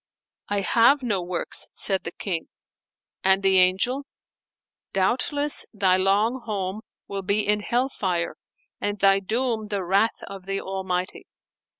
"I have no works," said the King; and the Angel, "Doubtless thy long home will be in hell fire and thy doom the wrath of the Almighty."